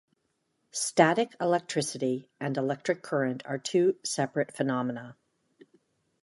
Static electricity and electric current are two separate phenomena.